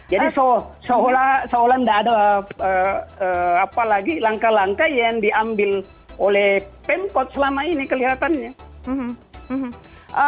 jadi seolah olah tidak ada apa lagi langkah langkah yang diambil oleh pemkot selama ini kelihatannya